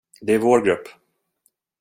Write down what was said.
Det är vår grupp.